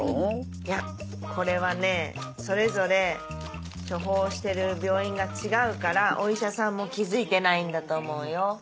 いやこれはねそれぞれ処方してる病院が違うからお医者さんも気付いてないんだと思うよ。